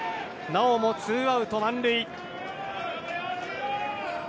なおもツーアウト満塁。